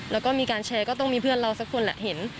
แล้วก็มีการแชร์ก็ต้องมีเพื่อนเราสักคนแหละเห็น